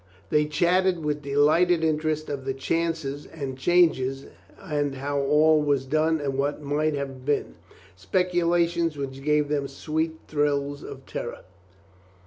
They chattered with delighted interest of the chances and changes and how all was done and what might have been — speculations which gave them sweet thrills of terror.